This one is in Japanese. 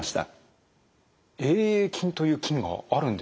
Ａ．ａ．菌という菌があるんですね。